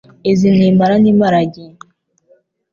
Izi ni impara n'imparage